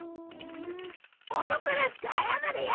男らしく謝れよ！